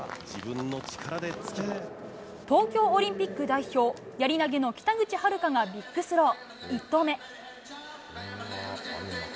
東京オリンピック代表、やり投げの北口榛花がビッグスロー。